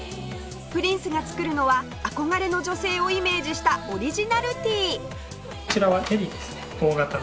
プリンスが作るのは憧れの女性をイメージしたオリジナルティー